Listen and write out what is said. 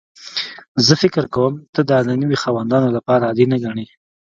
زه فکر کوم ته دا د نوي خاوندانو لپاره عادي نه ګڼې